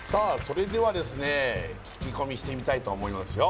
それではですね聞き込みしてみたいと思いますよ